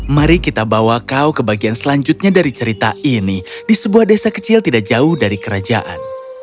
mari kita bawa kau ke bagian selanjutnya dari cerita ini di sebuah desa kecil tidak jauh dari kerajaan